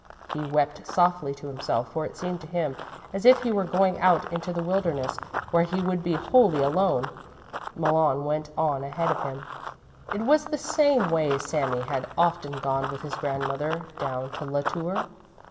He wept softly to himself for it seemed to him as if he were going out into the wilderness where he would be wholly alone. Malon went on ahead of him. It was the same way Sami had often gone with his grandmother down to La Tour.